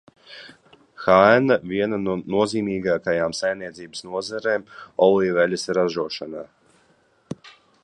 Haenā viena no nozīmīgākajām saimniecības nozarēm ir olīveļļas ražošana.